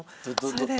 それで。